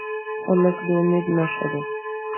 هلک د امید نښه ده.